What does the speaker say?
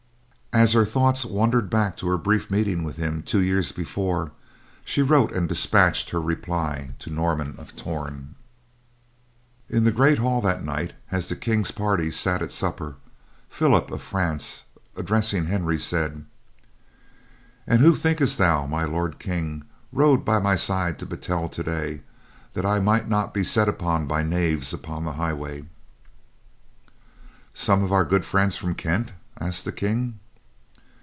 As her thoughts wandered back to her brief meeting with him two years before, she wrote and dispatched her reply to Norman of Torn. In the great hall that night as the King's party sat at supper, Philip of France, addressing Henry, said: "And who thinkest thou, My Lord King, rode by my side to Battel today, that I might not be set upon by knaves upon the highway?" "Some of our good friends from Kent?" asked the King.